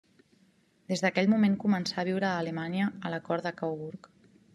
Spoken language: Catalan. Des d'aquell moment començà a viure a Alemanya a la cort de Coburg.